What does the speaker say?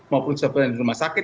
maupun surveillance di rumah sakit